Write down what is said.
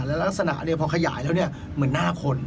แล้วลักษณะเนี่ยพอขยายแล้วเนี่ยเหมือนหน้าคน